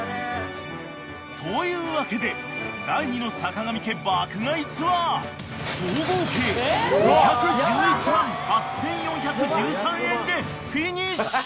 ［というわけで第２の坂上家爆買いツアー総合計５１１万８，４１３円でフィニッシュ］